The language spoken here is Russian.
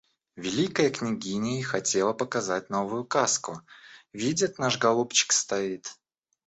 Великая княгиня и хотела показать новую каску... Видят, наш голубчик стоит.